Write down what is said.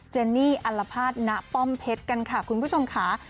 เจนี่อัลภาษณป้อมเพชรกันค่ะคุณผู้ชมค่ะ